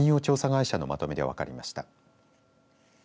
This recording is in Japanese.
会社のまとめで分かりました。